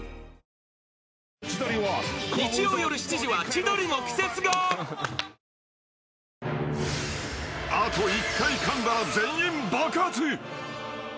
わかるぞ［あと１回かんだら全員爆発］